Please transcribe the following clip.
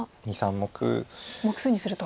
目数にすると。